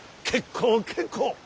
結構結構。